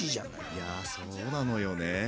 いやそうなのよね。